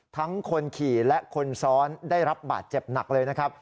คนขี่และคนซ้อนได้รับบาดเจ็บหนักเลยนะครับ